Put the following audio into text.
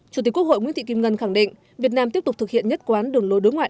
chủ tịch quốc hội nguyễn thị kim ngân khẳng định việt nam tiếp tục thực hiện nhất quán đường lối đối ngoại